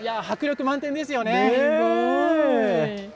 迫力満点ですよね。